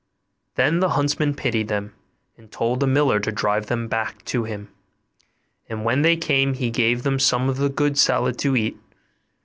Then the huntsman pitied them, and told the miller to drive them back to him, and when they came, he gave them some of the good salad to eat.